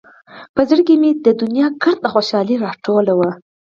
په زړه کښې مې د دونيا ګرده خوشالي راټوله وه.